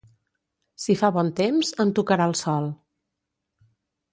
Si fa bon temps, em tocarà el sol.